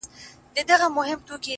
خیال دي ـ